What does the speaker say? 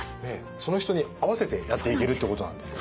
その人に合わせてやっていけるってことなんですね。